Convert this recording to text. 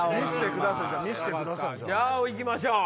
じゃあいきましょう！